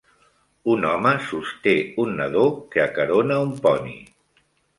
Un home sosté un nadó que acarona un poni.